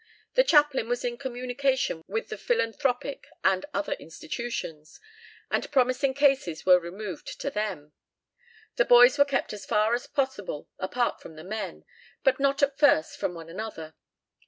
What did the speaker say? The chaplain was in communication with the Philanthropic and other institutions, and promising cases were removed to them. The boys were kept as far as possible apart from the men, but not at first from one another.